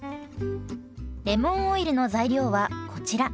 レモンオイルの材料はこちら。